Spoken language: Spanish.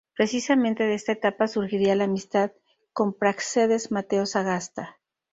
Precisamente de esta etapa surgiría la amistad con Práxedes Mateo Sagasta.